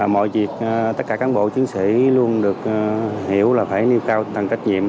mọi việc tất cả cán bộ chiến sĩ luôn được hiểu là phải nêu cao tăng trách nhiệm